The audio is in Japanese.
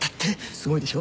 すごいでしょ？